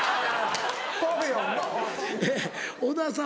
小田さん